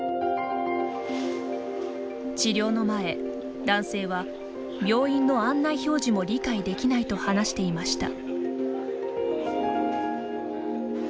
治療の前男性は病院の案内表示も理解できないと話していました。